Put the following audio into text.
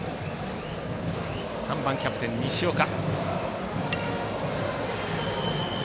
打席には３番キャプテン、西岡。